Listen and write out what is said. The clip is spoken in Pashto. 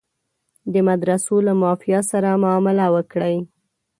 د مدرسو له مافیا سره معامله وکړي.